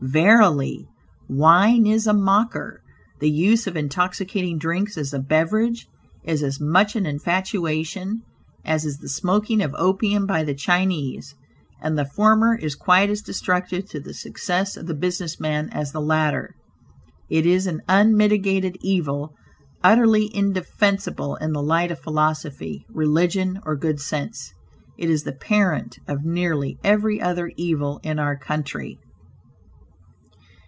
Verily, "wine is a mocker." The use of intoxicating drinks as a beverage, is as much an infatuation, as is the smoking of opium by the Chinese, and the former is quite as destructive to the success of the business man as the latter. It is an unmitigated evil, utterly indefensible in the light of philosophy; religion or good sense. It is the parent of nearly every other evil in our country.